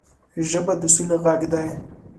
ژبه د سولې غږ دی